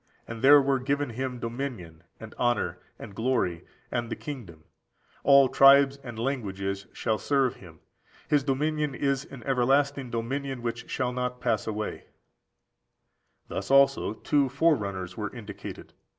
And there were given Him dominion, and honour, and glory, and the kingdom; all tribes and languages shall serve Him: His dominion is an everlasting dominion, which shall not pass away."14921492 Dan. vii. 13, 14. Thus also two forerunners were indicated.